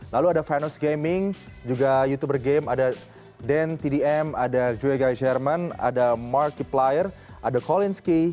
lalu ada vynos gaming juga youtuber game ada dantdm ada juegai sherman ada markiplier ada kolinski